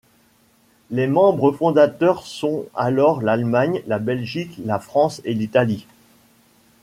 Les membres fondateurs sont alors l'Allemagne, la Belgique, la France et l'Italie.